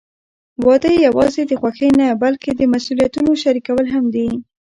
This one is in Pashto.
واده یوازې د خوښۍ نه، بلکې د مسوولیتونو شریکول هم دي.